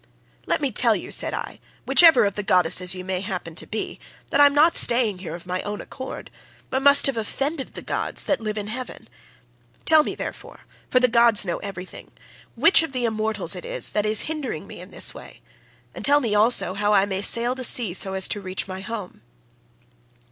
"'Let me tell you,' said I, 'whichever of the goddesses you may happen to be, that I am not staying here of my own accord, but must have offended the gods that live in heaven. Tell me, therefore, for the gods know everything, which of the immortals it is that is hindering me in this way, and tell me also how I may sail the sea so as to reach my home.